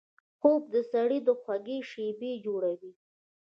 خوب د سړي خوږې شیبې جوړوي